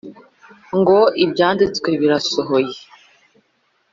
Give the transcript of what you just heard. ngo ibyanditswe birasohoye